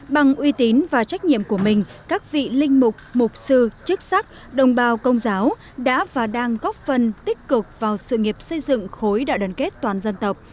bằng uy tín và trách nhiệm của mình các vị linh mục mục sư chức sắc đồng bào công giáo đã và đang góp phần tích cực vào sự nghiệp xây dựng khối đại đoàn kết toàn dân tộc